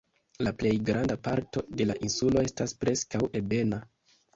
La plej granda parto de la insulo estas preskaŭ ebena.